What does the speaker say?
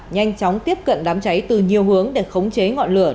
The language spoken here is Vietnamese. nhanh chóng tiếp cận đám cháy từ nhiều hướng để khống chế ngọn lửa